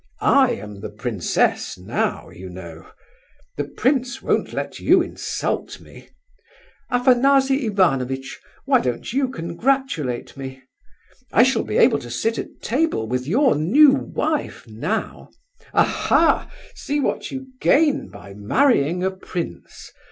I am the princess now, you know. The prince won't let you insult me. Afanasy Ivanovitch, why don't you congratulate me? I shall be able to sit at table with your new wife, now. Aha! you see what I gain by marrying a prince!